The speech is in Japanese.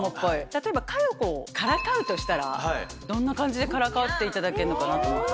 例えば佳代子をからかうとしたらどんな感じでからかっていただけるのかなと思って。